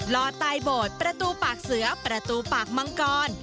ลอไตบทประตูปากเสือประตูปากมังกร